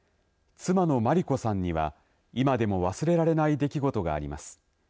妻の万里子さんには今でも忘れられない出来事があります。